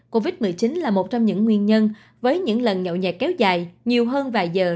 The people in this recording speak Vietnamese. covid một mươi chín là một trong những nguyên nhân với những lần nhậu nhẹt kéo dài nhiều hơn vài giờ